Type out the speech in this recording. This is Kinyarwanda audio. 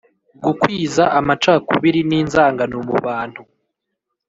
gukwiza amacakubiri n'inzangano mu bantu.